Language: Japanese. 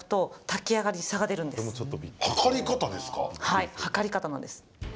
はい、量り方なんです。